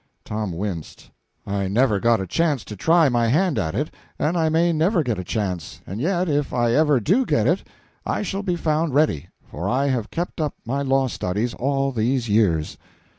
Tom winced. "I never got a chance to try my hand at it, and I may never get a chance; and yet if I ever do get it I shall be found ready, for I have kept up my law studies all these years."